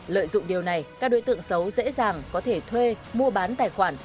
lợi dụng điều này các đối tượng xấu dễ dàng có thể thuê mua bán tài khoản